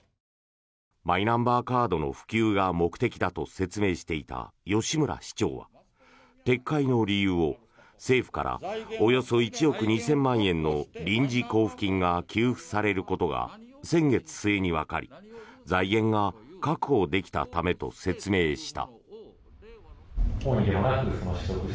マイナンバーカードの普及が目的だと説明していた吉村市長は撤回の理由を、政府からおよそ１億２０００万円の臨時交付金が給付されることが先月末にわかり財源が確保できたためと説明した。